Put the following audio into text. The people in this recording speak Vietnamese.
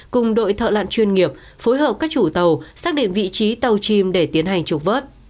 cùng đội thợ lặn chuyên nghiệp phối hợp các chủ tàu xác định vị trí tàu chìm để tiến hành trục vớt